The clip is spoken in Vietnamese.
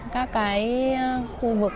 các cái khu vực